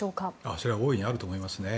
それは大いにあると思いますね。